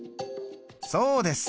そうです！